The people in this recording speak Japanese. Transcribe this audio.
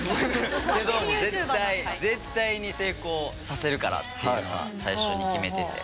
けど絶対絶対に成功させるからっていうのは最初に決めてて。